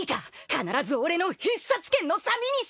必ず俺の必殺剣のサビにして。